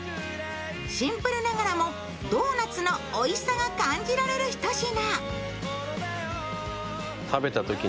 シンプルながらもドーナツのおいしさが感じられるひと品。